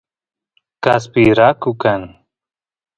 kaspi raku kan